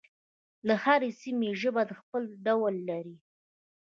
د هرې سیمې ژبه خپل ډول لري.